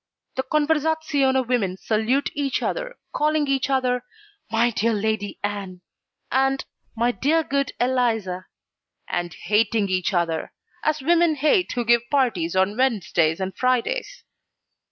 The conversazione women salute each other calling each other 'My dear Lady Ann' and 'My dear good Eliza,' and hating each other, as women hate who give parties on Wednesdays and Fridays.